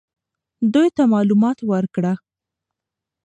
دوی ته معلومات ورکړه.